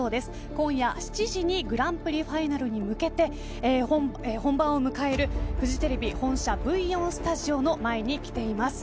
今夜７時にグランプリファイナルに向けて本番を迎えるフジテレビ本社Ｖ４スタジオの前に来ています。